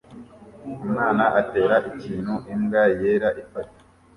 Umwana atera ikintu imbwa yera ifata